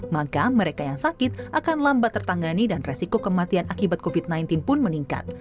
maka mereka yang sakit akan lambat tertangani dan resiko kematian akibat covid sembilan belas pun meningkat